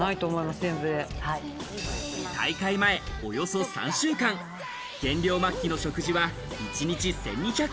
大会前、およそ３週間、減量末期の食事は１日１２００